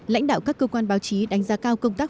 lãnh đạo các cơ quan báo chí đánh giá cao công tác